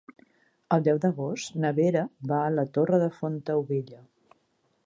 El deu d'agost na Vera va a la Torre de Fontaubella.